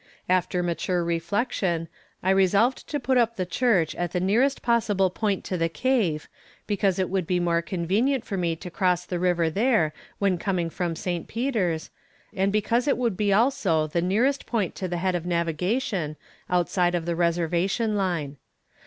"After mature reflection, I resolved to put up the church at the nearest possible point to the cave, because it would be more convenient for me to cross the river there when coming from St. Peters, and because it would be also the nearest point to the head of navigation, outside of the reservation line.